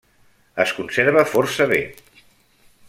Es conserva força bé.